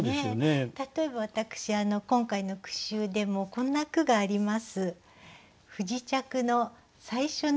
例えば私今回の句集でもこんな句があります。